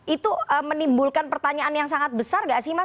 itu menimbulkan pertanyaan yang sangat besar gak sih mas